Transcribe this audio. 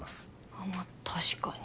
まあ確かに。